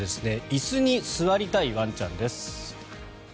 椅子に座りたいワンちゃんです。